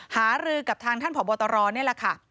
หารือกับทางท่านผอบตรนี่แหละค่ะ